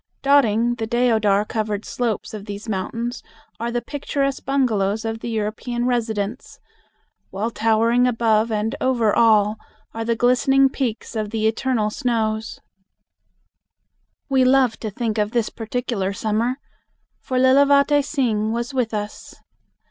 Dotting the deodar covered slopes of these mountains are the picturesque bungalows of the European residents, while towering above and over all are the glistening peaks of the eternal snows. We love to think of this particular summer, for Lilavate Singh was with us.